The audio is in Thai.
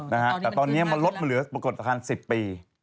แต่ตอนนี้มันลดเหลือประกอบการ๑๐ปี